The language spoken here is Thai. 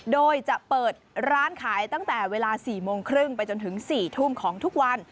โดยจะเปิดร้านขายตั้งแต่เวลา๔โมงครึ่งไปจนถึง๔ทุ่มของทุกวัน